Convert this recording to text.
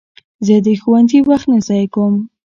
زه د ښوونځي وخت نه ضایع کوم.